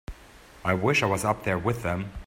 I wish I was up there with them.